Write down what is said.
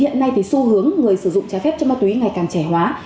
hiện nay thì xu hướng người sử dụng trái phép chất ma túy ngày càng trẻ hóa